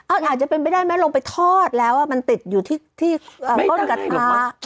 อ่าอาจจะเป็นไม่ได้ไหมลงไปทอดแล้วอ่ะมันติดอยู่ที่ที่อ่าข้อนกระทะ